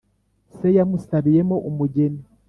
se yamusabiyemo umugeni